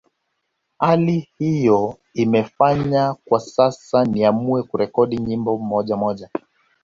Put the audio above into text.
Hali hiyo imenifanya kwa sasa niamue kurekodi nyimbo moja moja